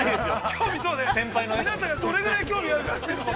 ◆皆さん、どれぐらい興味あるのかな。